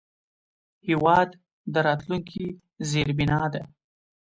هېواد د راتلونکي زیربنا ده.